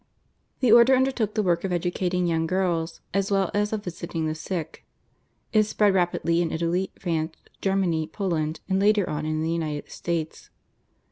The order undertook the work of educating young girls as well as of visiting the sick. It spread rapidly in Italy, France, Germany, Poland, and later on in the United States.